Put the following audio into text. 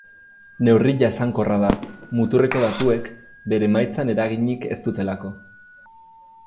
Neurri jasankorra da, muturreko datuek bere emaitzan eraginik ez dutelako.